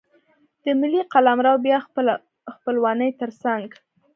د ملي قلمرو بیا خپلونې ترڅنګ.